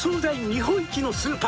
日本一のスーパーが」